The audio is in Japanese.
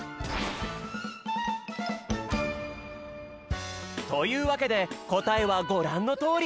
それじゃあというわけでこたえはごらんのとおり。